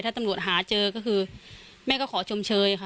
ถ้าตำรวจหาเจอก็คือแม่ก็ขอชมเชยค่ะ